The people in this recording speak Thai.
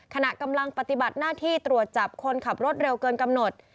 ขณะกำลังปฏิบัติหน้าที่ตรวจจับคนขับรถเร็วเกินกำหนด